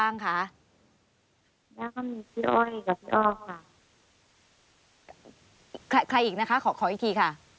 อยู่กับพี่อ้อยกับพี่อ้อ